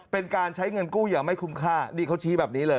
เป็นการใช้เงินกู้อย่างไม่คุ้มค่านี่เขาชี้แบบนี้เลย